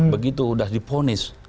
begitu sudah diponis